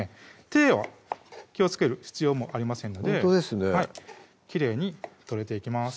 手を気をつける必要もありませんのできれいに取れていきます